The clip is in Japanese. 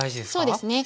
そうですね。